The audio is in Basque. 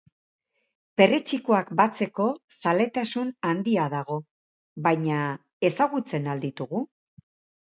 Perretxikoak batzeko zaletasun handia dago, baina ezagutzen al ditugu?